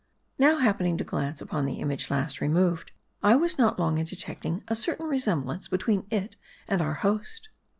Now happening to glance upon the image last removed, I was not long in detecting a certain resemblance between it and our host.